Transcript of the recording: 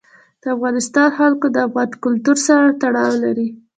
د افغانستان جلکو د افغان کلتور سره تړاو لري.